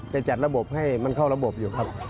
จะจัดระบบให้มันเข้าระบบอยู่ครับ